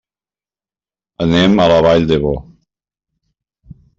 Anem a la Vall d'Ebo.